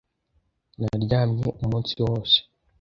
Naryamye umunsi wose.